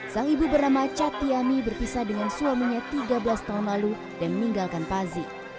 sang ibu bernama cat yami berpisah dengan suaminya tiga belas tahun lalu dan meninggalkan pazi